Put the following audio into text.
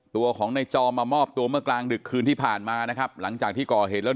ตัวของในจอมมามอบตัวเมื่อกลางดึกคืนที่ผ่านมานะครับหลังจากที่ก่อเหตุแล้ว